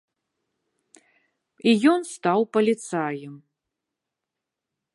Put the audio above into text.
І ён стаў паліцаем.